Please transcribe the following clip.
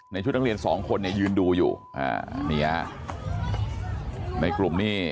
ชุดนักเรียนสองคนเนี่ยยืนดูอยู่อ่านี่ฮะในกลุ่มนี้